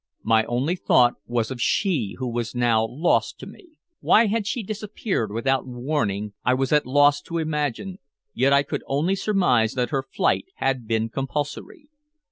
My only thought was of she who was now lost to me. Why had she disappeared without warning I was at loss to imagine, yet I could only surmise that her flight had been compulsory.